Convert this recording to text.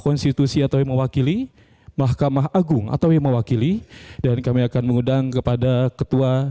konstitusi atau yang mewakili mahkamah agung atau yang mewakili dan kami akan mengundang kepada ketua